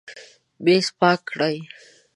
میز پاک کړئ